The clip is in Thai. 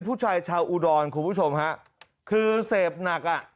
ผู้ชายชาวอุดรคุณผู้ชมฮะคือเสพหนักอ่ะ